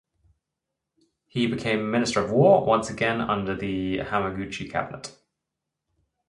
He became Minister of War once again under the Hamaguchi cabinet.